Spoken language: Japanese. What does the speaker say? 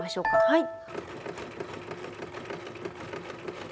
はい。